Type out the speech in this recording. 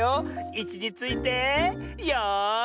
いちについてよい。